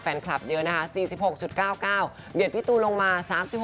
แฟนคลับเยอะนะคะ๔๖๙๙เบียดพี่ตูนลงมา๓๖